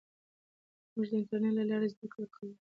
موږ د انټرنېټ له لارې زده کړه کوو.